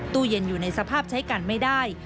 ตู้เย็นอยู่ในสภาพใช้กันไม่ได้